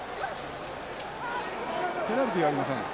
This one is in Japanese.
ペナルティーはありません。